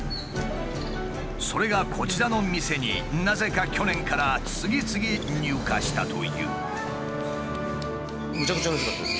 それがこちらの店になぜか去年から次々入荷したという。